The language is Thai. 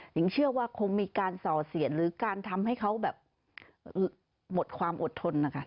หญิงเชื่อว่าคงมีการส่อเสียนหรือการทำให้เขาแบบหมดความอดทนนะคะ